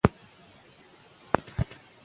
اقتصادي وده د تولید زیاتوالی دی.